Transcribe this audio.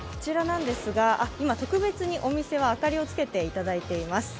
今、特別にお店は明かりをつけていただいています。